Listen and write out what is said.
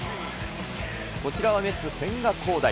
こちらはメッツ、千賀滉大。